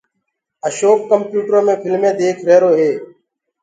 اشوڪ ڪمپيوٽرو مي ڦلمينٚ ديک ريهرو هي